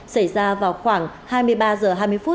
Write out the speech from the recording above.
xảy ra vào khoảng hai mươi ba h hai mươi phút